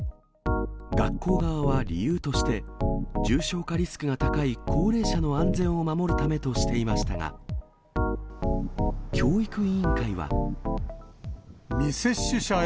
学校側は理由として、重症化リスクが高い高齢者の安全を守るためとしていましたが、教育委員会は。